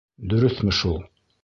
Дөрөҫмө шул?